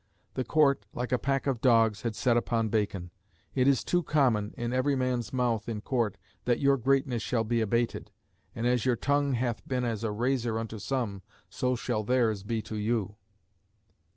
The Court, like a pack of dogs, had set upon Bacon. "It is too common in every man's mouth in Court that your greatness shall be abated, and as your tongue hath been as a razor unto some, so shall theirs be to you."